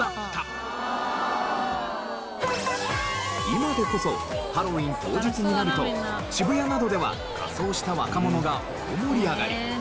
今でこそハロウィン当日になると渋谷などでは仮装した若者が大盛り上がり。